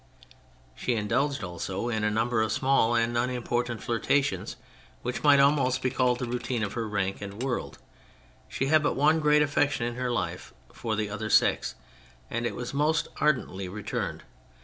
She indulged also in a number of small and unimportant flirtations which might almost be called the routine of her rank and world; she had but one great affection in her life for the other sex, and it was most ardently returned.